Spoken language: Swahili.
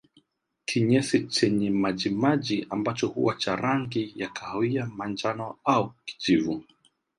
Kinyesi chenye majimaji ambacho huwa cha rangi ya kahawia manjano au kijivu